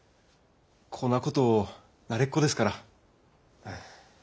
こんなこと慣れっこですから。